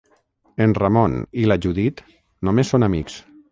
En Ramon i la Judit només són amics.